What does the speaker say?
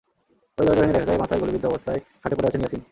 পরে দরজা ভেঙে দেখা যায়, মাথায় গুলিবিদ্ধ অবস্থায় খাটে পড়ে আছে ইয়াসিন।